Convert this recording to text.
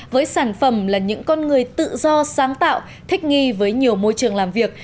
với sản phẩm là những con người tự do sáng tạo thích nghi với nhiều môi trường làm việc